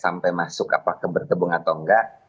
sampai masuk keberdebung atau enggak